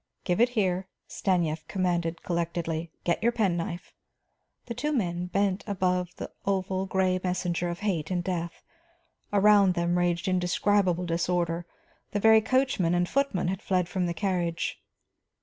"Give it here," Stanief commanded collectedly. "Get your penknife." The two men bent above the oval, gray messenger of hate and death. Around them raged indescribable disorder; the very coachman and footmen had fled from the carriage.